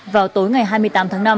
vào tối ngày hai mươi tám tháng năm